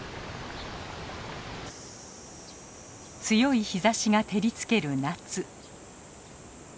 強い日ざしが照りつける夏。